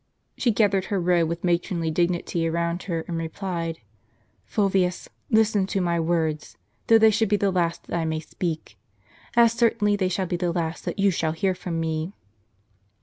She gathered her robe with matronly dignity around her, and replied :" Fulvius, listen to my words, though they should be the last that I may speak ; as certainly they shall be the last that you shall hear from me.